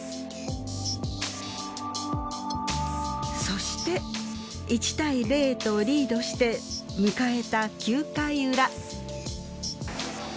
そして１対０とリードして迎えた９回ウラ。